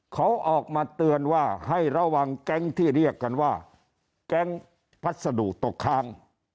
เขาออกมาเตือนว่าให้ระวังแก๊งที่เรียกกันว่าแก๊งพัสดุตกค้าง